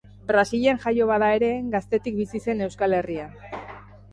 Brasilen jaioa bada ere, gaztetik bizi zen Euskal Herrian.